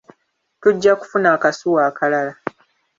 Tujja kufuna akasuwa akalala.